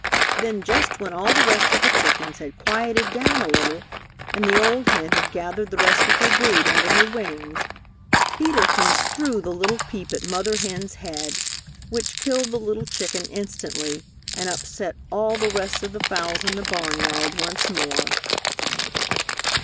Then just when all the rest of the chickens had quieted down a little and the old hen had gathered the rest of her brood under her wings, Peter Kins threw the little peep at mother hen's head, which killed the little chicken instantly and upset all the rest of the fowls in the barnyard once more.